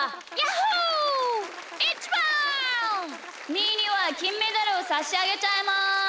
みーにはきんメダルをさしあげちゃいます！